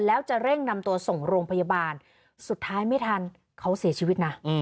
แล้วจะเร่งนำตัวส่งโรงพยาบาลสุดท้ายไม่ทันเขาเสียชีวิตนะ